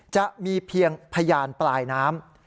จะมีเพียงพยานปลายน้ำ